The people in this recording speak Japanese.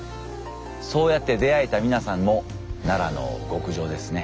そうやって出会えた皆さんも奈良の極上ですね。